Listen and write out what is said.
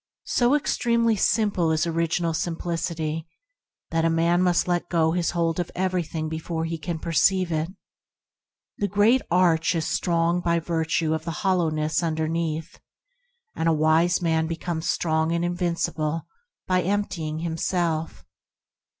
So extremely simple is Original Simplicity, that a man must let go his hold of everything before he can perceive it. The great arch is strong by virtue of the hollowness under neath, and a wise man becomes strong and invincible by emptying himself.